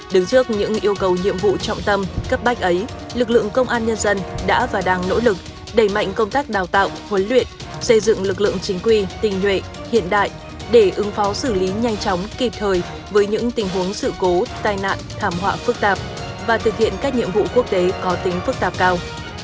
đứng trước những yêu cầu nhiệm vụ trọng tâm cấp bách ấy lực lượng công an nhân dân đã và đang nỗ lực đẩy mạnh công tác đào tạo huấn luyện xây dựng lực lượng chính quy tình nhuệ hiện đại để ứng phó xử lý nhanh chóng kịp thời với những tình huống sự cố tai nạn thảm họa phức tạp và thực hiện các nhiệm vụ quốc tế có tính phức tạp cao